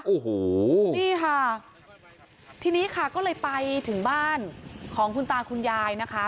โอ้โหนี่ค่ะทีนี้ค่ะก็เลยไปถึงบ้านของคุณตาคุณยายนะคะ